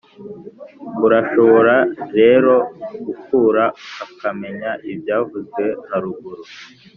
urashobora rero gukura ukamenya ibyavuzwe haruguru